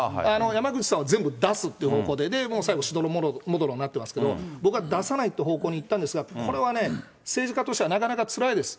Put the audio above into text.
山口さんは全部出すっていう方向で、最後、しどろもどろになっていますけれども、僕は出さないっていう方向にいったんですが、これはね、政治家としてはなかなかつらいです。